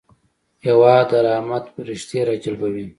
هېواد د رحمت پرښتې راجلبوي.